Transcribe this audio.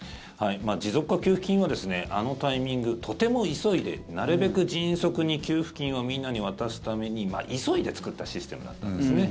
持続化給付金はあのタイミングとても急いで、なるべく迅速に給付金をみんなに渡すために急いで作ったシステムだったんですね。